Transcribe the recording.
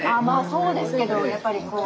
そうですけどやっぱりこう。